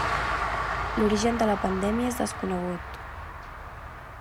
L'origen de la pandèmia és desconegut.